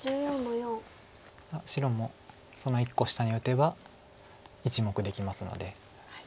白もその１個下に打てば１目できますので。